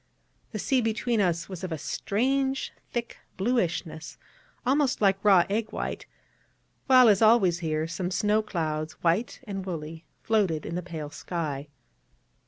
The sea between was of a strange thick bluishness, almost like raw egg white; while, as always here, some snow clouds, white and woolly, floated in the pale sky.